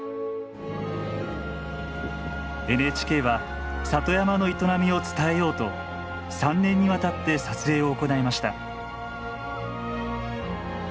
ＮＨＫは里山の営みを伝えようと３年にわたって撮影を行いました。